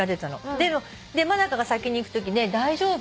真香が先に行くとき大丈夫？